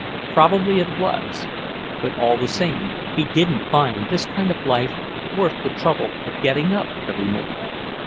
Probably it was; but all the same he didn't find this kind of life worth the trouble of getting up every morning.